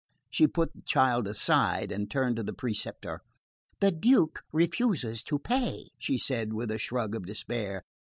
She put the child aside and turned to the preceptor. "The Duke refuses to pay," she said with a shrug of despair.